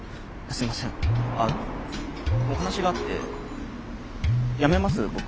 すいませんお話があって辞めます僕。